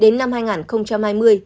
đến năm hai nghìn hai mươi